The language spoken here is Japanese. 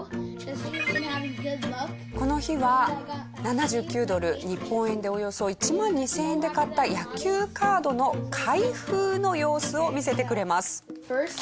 この日は７９ドル日本円でおよそ１万２０００円で買った野球カードの開封の様子を見せてくれます。